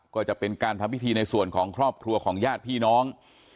ก็จะเป็นการทำพิธีในส่วนของครอบครัวของญาติพี่น้อง